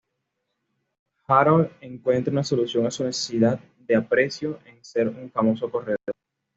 Harold encuentra una solución a su necesidad de aprecio en ser un famoso corredor.